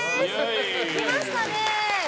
来ましたね。